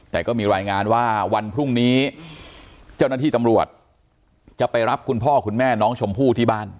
แต่ก็มีรายงานว่าวันพรุ่งนี้เจ้าหน้าที่ตำรวจจะไปรับคุณพ่อคุณแม่น้องชมพู่ที่บ้าน